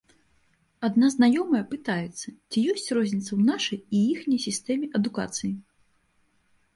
Адна знаёмая пытаецца, ці ёсць розніца ў нашай і іхняй сістэме адукацыі.